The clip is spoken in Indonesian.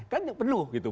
kan penuh gitu